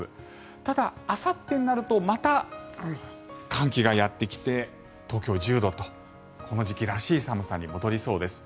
ただ、あさってになるとまた寒気がやってきて東京、１０度とこの時期らしい寒さに戻りそうです。